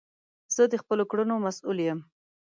زه د خپلو کړونو مسول یی